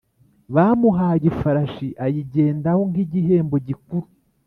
Bamuhaye ifarashi ayigendaho nkigihembo gikuru